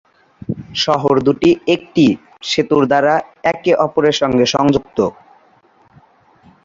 শহর দুটি একটি সেতুর দ্বারা একে অপরের সাথে সংযুক্ত।